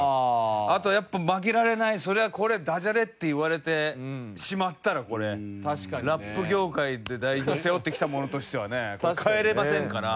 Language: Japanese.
あとやっぱ負けられないそりゃこれダジャレって言われてしまったらこれラップ業界で代表背負ってきた者としてはね帰れませんから。